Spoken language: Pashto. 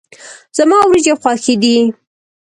زما وريجي خوښي دي.